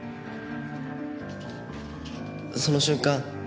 その瞬間